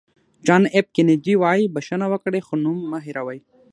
جان اېف کینېډي وایي بښنه وکړئ خو نوم مه هېروئ.